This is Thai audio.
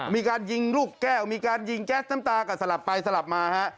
มีการยิงลูกแก้วมีการยิงแก๊สน้ำตากับสลับไปสลับมาฮะ